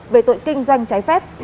về tội kinh doanh trái phép